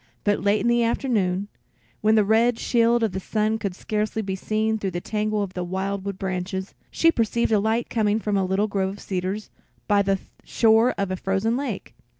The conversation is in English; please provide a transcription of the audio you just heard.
But late in the afternoon, when the red shield of the sun could scarcely be seen through the tangle of the wild wood branches, she perceived a light coming from a little grove of cedars by the shore of a frozen lake.